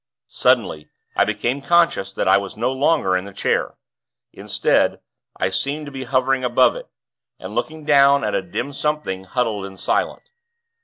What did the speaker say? Suddenly, I became conscious that I was no longer in the chair. Instead, I seemed to be hovering above it, and looking down at a dim something, huddled and silent.